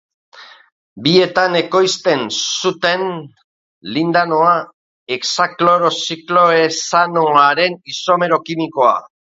Bietan ekoizten zutenñ lindanoa, hexakloroziklohexanoaren isomero kimikoa.